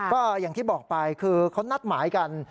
ก็อย่างที่บอกไปคือเขานัดหมายกัน